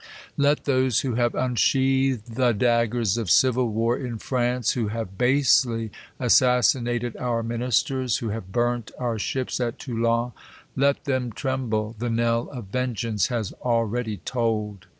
Let those who have unsheathed the da^ggers of civil| war in France ; who have basely assassinated our miri ? isters 5 who have btirnt our ships at Toulon ; let them tremble ! the knell of vengeance has already tolled